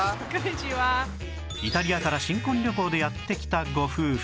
イタリアから新婚旅行でやって来たご夫婦